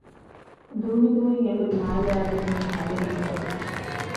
ދޫނިދޫއިން އެނބުރި މާލެ އާދެވުނީ ހަވީރުވެފައި ހުއްޓާ